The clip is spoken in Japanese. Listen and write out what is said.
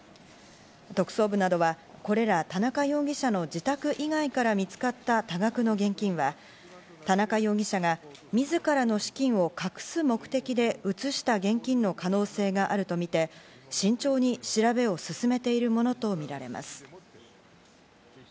特捜部などはこれら田中容疑者の自宅以外から見つかった多額の現金は、田中容疑者がみずからの資金を隠す目的で移した現金の可能性があるとみて、慎重に調べを進めているものとみられます。